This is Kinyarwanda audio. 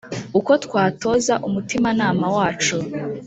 uko twatoza umutimanama wacu